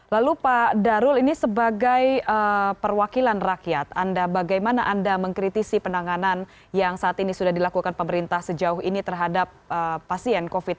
lalu pak darul ini sebagai perwakilan rakyat bagaimana anda mengkritisi penanganan yang saat ini sudah dilakukan pemerintah sejauh ini terhadap pasien covid sembilan belas